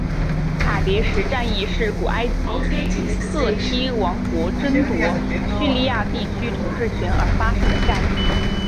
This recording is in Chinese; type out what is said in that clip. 卡迭石战役是古埃及与赫梯王国争夺叙利亚地区统治权而发生的战役。